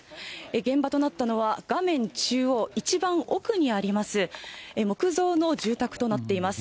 現場となったのは、画面中央、一番奥にあります、木造の住宅となっています。